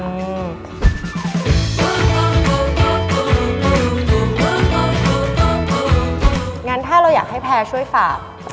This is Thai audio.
งั้นถ้าเราอยากให้แพร่ช่วยฝาก